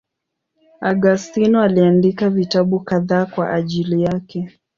Augustino aliandika vitabu kadhaa kwa ajili yake.